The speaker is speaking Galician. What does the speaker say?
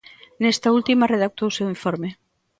Nesta última redactouse o informe.